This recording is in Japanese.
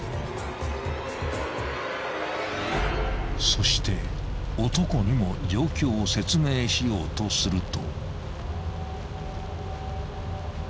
［そして男にも状況を説明しようとすると］